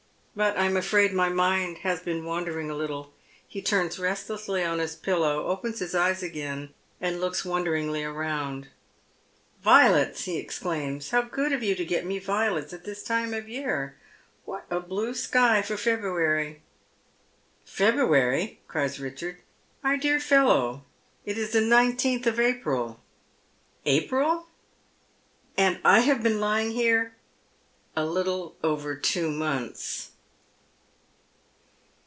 But I am afiaid my mind has been wandering a little." He turns restlessly on his pillow, opens his eyes again, and looks wonderingly round. " Violets !" he exclaims. " How good of you to get me violets at this time of year ! What a blue sky for February !"" February !" cries Eichard. " My dear fellow, it is the nine teenth of April." " April ? And I have been lying here "" A little over two months."